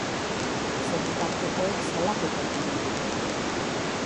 Senitartekoek salaketa ipini dute.